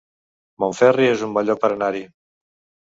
Montferri es un bon lloc per anar-hi